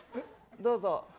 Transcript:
どうぞ。